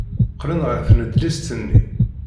Qqlen ɣer tnedlist-nni.